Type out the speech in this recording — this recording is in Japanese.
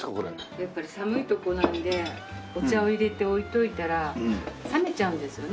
やっぱり寒いとこなのでお茶を入れて置いといたら冷めちゃうんですよね。